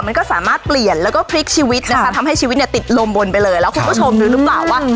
มันก็สามารถเปลี่ยนแล้วก็พลิกชีวิตค่ะแล้วคุณผู้ชมรู้หรือเปล่าว่า